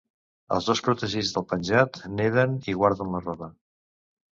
Els dos protegits del penjat neden i guarden la roba.